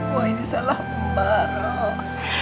wah ini salah mama roh